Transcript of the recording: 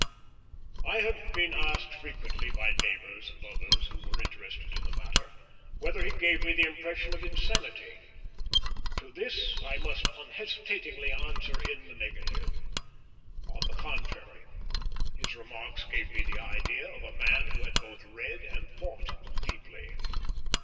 I have been asked frequently by neighbours and others who were interested in the matter whether he gave me the impression of insanity. To this I must unhesitatingly answer in the negative. On the contrary, his remarks gave me the idea of a man who had both read and thought deeply.